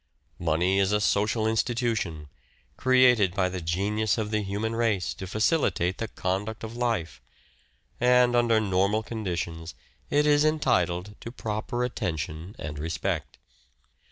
Money is a social institution, created by the genius of the human race to facilitate the conduct of life ; and, under normal conditions, it is entitled to proper attention and respect.